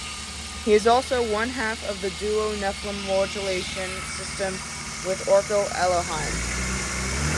He is also one half of the duo Nephlim Modulation Systems with Orko Eloheim.